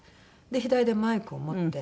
で左でマイクを持って。